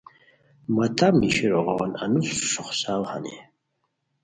ماتمہ نیشیرو غون انوس شوخڅاؤ ہانی